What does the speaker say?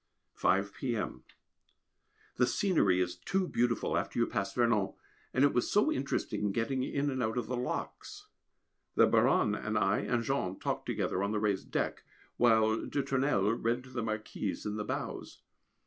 5 p.m. The scenery is too beautiful after you pass Vernon, and it was so interesting getting in and out of the locks. The Baronne and I and Jean talked together on the raised deck, while de Tournelle read to the Marquise in the bows.